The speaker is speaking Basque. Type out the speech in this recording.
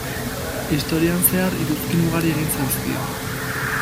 Historian zehar, iruzkin ugari egin zaizkio.